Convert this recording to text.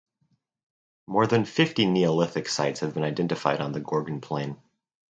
More than fifty Neolithic sites have been identified on the Gorgan Plain.